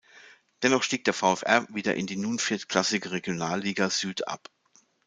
Dennoch stieg der VfR wieder in die nun viertklassige Regionalliga Süd ab.